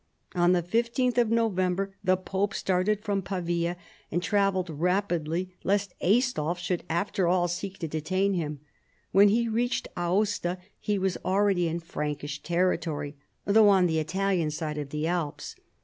On the 15th of I^ovember the pope started from Pavia, and travelled rapidly lest Aistulf should after all seek to detain him. When he reached Aosta he was already in Frankish territory, though on the Italian side of the Alps.